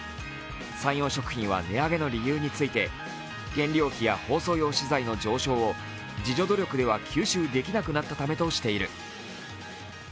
サンヨー食品は値上げの理由について原料費や包装用資材の上昇を自助努力では吸収できなくなったためとしている。